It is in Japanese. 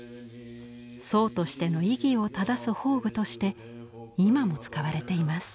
僧としての威儀を正す法具として今も使われています。